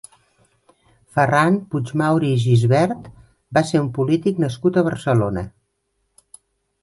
Ferran Puig-Mauri i Gisbert va ser un polític nascut a Barcelona.